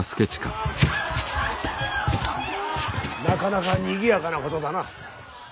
なかなか賑やかなことだな。